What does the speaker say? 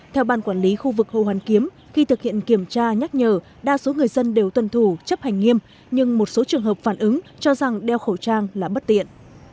theo ban quản lý khu vực hồ hoàn kiếm khi thực hiện kiểm tra nhắc nhở đa số người dân đều tuân thủ chấp hành nghiêm nhưng một số trường hợp phản ứng cho rằng đeo khẩu trang là bất tiện